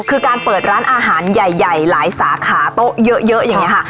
คือการเปิดร้านอาหารใหญ่หลายสาขาโต๊ะเยอะอย่างนี้ค่ะ